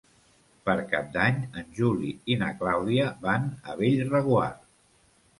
Per Cap d'Any en Juli i na Clàudia van a Bellreguard.